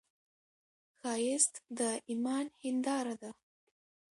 ښایست د ایمان هنداره ده